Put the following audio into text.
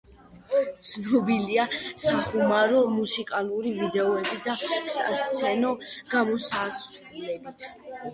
ცნობილია სახუმარო მუსიკალური ვიდეოებით და სასცენო გამოსვლებით.